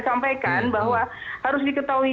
sampaikan bahwa harus diketahui